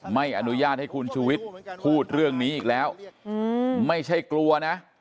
ไม่อนุญาตให้คุณชูวิทย์พูดเรื่องนี้อีกแล้วไม่ใช่กลัวนะ